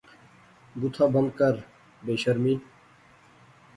بوتھا بند کر، بے شرمی